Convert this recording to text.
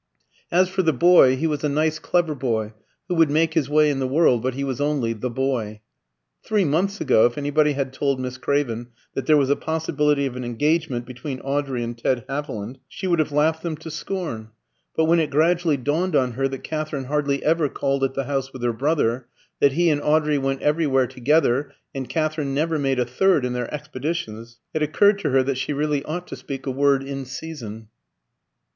As for the boy, he was a nice clever boy who would make his way in the world; but he was only "the boy." Three months ago, if anybody had told Miss Craven that there was a possibility of an engagement between Audrey and Ted Haviland, she would have laughed them to scorn. But when it gradually dawned on her that Katherine hardly ever called at the house with her brother, that he and Audrey went everywhere together, and Katherine never made a third in their expeditions, it occurred to her that she really ought to speak a word in season.